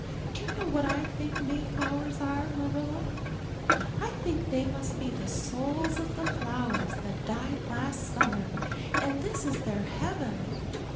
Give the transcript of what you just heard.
Do you know what I think Mayflowers are, Marilla? I think they must be the souls of the flowers that died last summer and this is their heaven.